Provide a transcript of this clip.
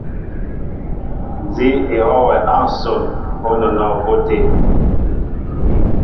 Nzi éhoo wɛ a nson o nɔna o ko té.